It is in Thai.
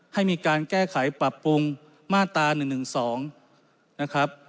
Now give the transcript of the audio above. ให้มีการแก้ไขปรับปรุงมาตรา๑๑๒นะครับ